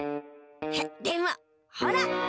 でもほら！